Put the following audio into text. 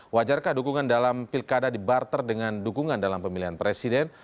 wajarkah dukungan dalam pilkada dibarter dengan dukungan dalam pemilihan presiden